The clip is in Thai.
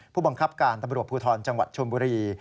ผู้บังคับการตำรวจภูทรจังหวัดชนบุรี